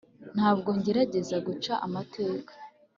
ntabwo ngerageza guca amateka